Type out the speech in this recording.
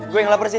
gue yang lapar sih